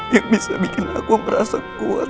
yang bisa bikin aku merasa kuat